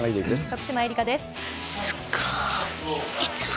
徳島えりかです。